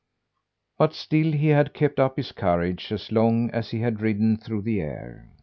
But still he had kept up his courage as long as he had ridden through the air.